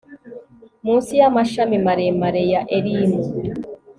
Munsi yamashami maremare ya elimu